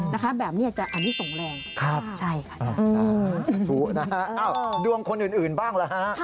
นะคะแบบนี้จะอันนี้ส่งแรงใช่ค่ะจริงนะครับดวงคนอื่นบ้างหรือคะ